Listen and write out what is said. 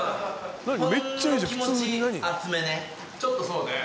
ちょっとそうね。